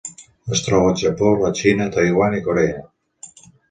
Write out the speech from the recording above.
Es troba al Japó, la Xina, Taiwan i Corea.